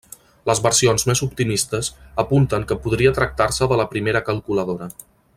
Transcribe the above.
Les versions més optimistes apunten que podria tractar-se de la primera calculadora.